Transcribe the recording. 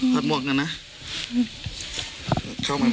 เป็นโรงแดนเลยครับ